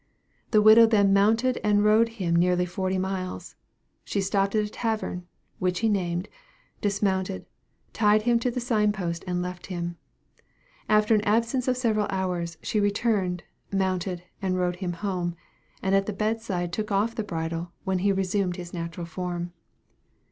The widow then mounted and rode him nearly forty miles; she stopped at a tavern, which he named, dismounted, tied him to the sign post and left him. After an absence of several hours, she returned, mounted, and rode him home; and at the bed side took off the bridle, when he resumed his natural form.